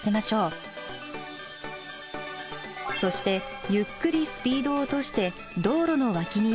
そしてゆっくりスピードを落として道路の脇に停車します。